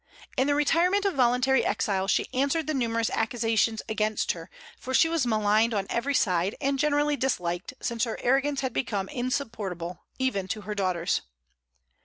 In the retirement of voluntary exile she answered the numerous accusations against her; for she was maligned on every side, and generally disliked, since her arrogance had become insupportable, even to her daughters.